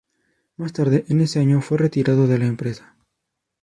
Más tarde en ese año fue retirado de la empresa.